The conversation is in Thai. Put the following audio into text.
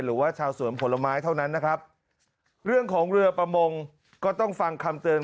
หรือว่าชาวสวนผลไม้เท่านั้นนะครับเรื่องของเรือประมงก็ต้องฟังคำเตือน